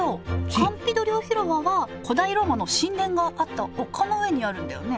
カンピドリオ広場は古代ローマの神殿があった丘の上にあるんだよね？